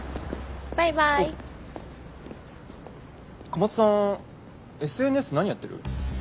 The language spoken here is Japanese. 小松さんＳＮＳ何やってる？